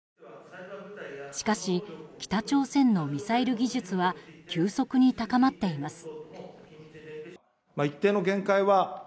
しかし、北朝鮮のミサイル技術は急速に高まっています。